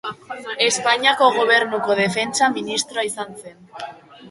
Espainiako Gobernuko Defentsa Ministroa izan zen.